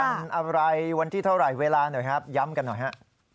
วันอะไรวันที่เท่าไหร่เวลาหน่อยครับย้ำกันหน่อยฮะ